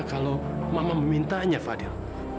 kalau mama memintanya fadil